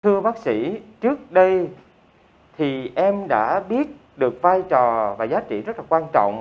thưa bác sĩ trước đây thì em đã biết được vai trò và giá trị rất là quan trọng